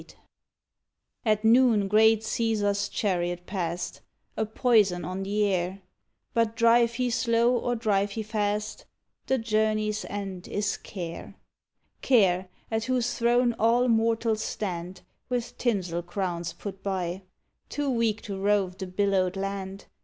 78 'THE FAUN At noon great Caesar's chariot past, A poison on the air, But drive he slow or drive he fast, The journey's end is Care — Care, at whose throne all mortals stand With tinsel crowns put by, Too weak to rove the billowed land.